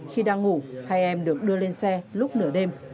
khi đang ngủ hai em được đưa lên xe lúc nửa đêm